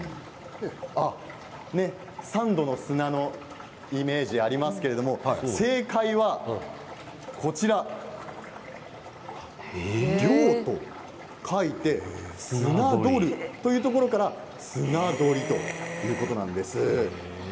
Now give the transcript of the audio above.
サンドの砂のイメージがありますけど正解は漁と書いて漁るというところからスナドリということなんです。